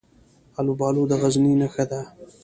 الوبالو د غزني نښه ده.